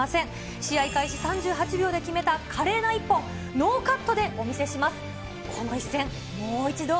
試合開始３８秒で決めた華麗な一本、ノーカットでお見せします。